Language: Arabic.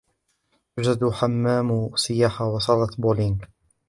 يوجد حمام سياحة وصالة بولينج.